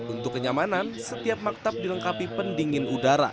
untuk kenyamanan setiap maktab dilengkapi pendingin udara